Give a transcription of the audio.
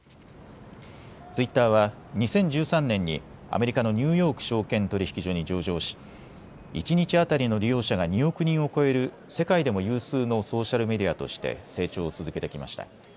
ツイッターは２０１３年にアメリカのニューヨーク証券取引所に上場し一日当たりの利用者が２億人を超える世界でも有数のソーシャルメディアとして成長を続けてきました。